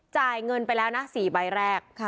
จ่ายเงินไปแล้วนะ๔ใบแรก